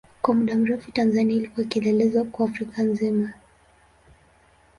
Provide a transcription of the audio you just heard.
Kwa muda mrefu Tanzania ilikuwa kielelezo kwa Afrika nzima.